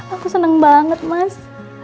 aku seneng banget mas